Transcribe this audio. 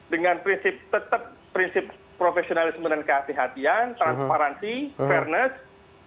dengan prinsip tetap prinsip profesionalisme dan kehatian kehatian transparansi fairness